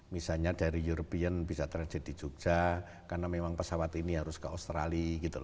misalnya dari european bisa transit di jogja karena memang pesawat ini harus ke australia